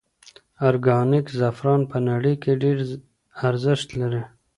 ارګانیک زعفران په نړۍ کې ډېر ارزښت لري.